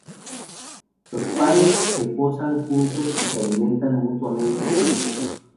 Los pares se posan juntos y se alimentan mutuamente entre vuelos.